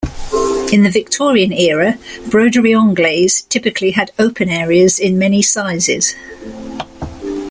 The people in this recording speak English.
In the Victorian era, broderie anglaise typically had open areas in many sizes.